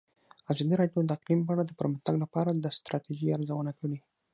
ازادي راډیو د اقلیم په اړه د پرمختګ لپاره د ستراتیژۍ ارزونه کړې.